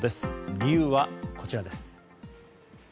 理由はこちらです。